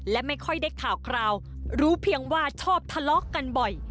และไม่ค่อยได้ข่าวคราวรู้เพียงว่าชอบทะเลาะกันบ่อย